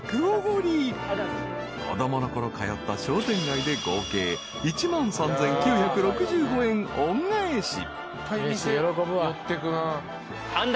［子供のころ通った商店街で合計１万３，９６５円恩返し］